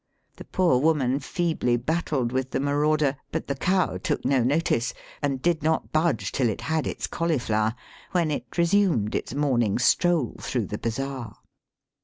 The poor woman feebly battled with the Digitized by VjOOQIC 206 ISAST BY WEST. marauder, but the cow took no notice, and did not budge till it had its cauliflower, when it resumed its morning stroll through the bazaar.